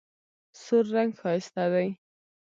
سور رنګ ښایسته دی.